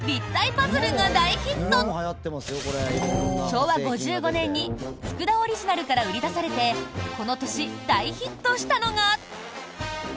昭和５５年にツクダオリジナルから売り出されてこの年、大ヒットしたのが。